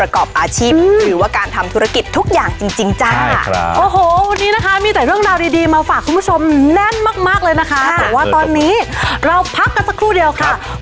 ขอให้ถูกรางวัลก็ถูก